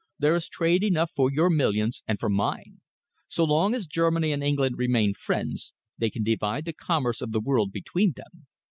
There is trade enough for your millions and for mine. So long as Germany and England remain friends, they can divide the commerce of the world between them.